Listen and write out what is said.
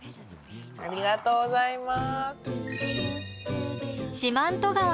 ありがとうございます。